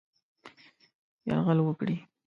یرغل وکړي.